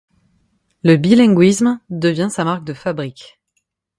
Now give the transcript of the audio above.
Le bilinguisme devient sa marque de fabrique.